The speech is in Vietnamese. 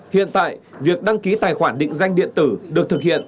hiện tại việc đăng ký tài khoản định danh điện tử được thực hiện